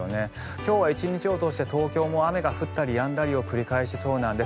今日は１日を通して東京も雨が降ったりやんだりを繰り返しそうなんです。